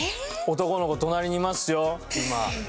男の子隣にいますよ今。